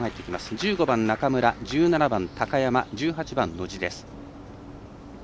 １５番、中村、１７番、高山１８番、野地です。